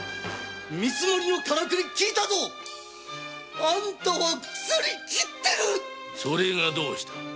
見積もりのカラクリ聞いたぞあんたは腐りきってるそれがどうした！？